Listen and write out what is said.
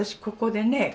ここでね